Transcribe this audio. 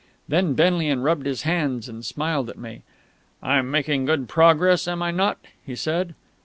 Then Benlian rubbed his hands and smiled at me. "I'm making good progress, am I not?" he said.